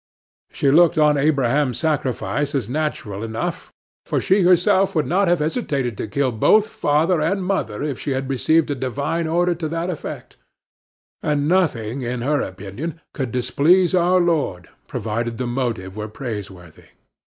She looked on Abraham's sacrifice as natural enough, for she herself would not have hesitated to kill both father and mother if she had received a divine order to that effect; and nothing, in her opinion, could displease our Lord, provided the motive were praiseworthy.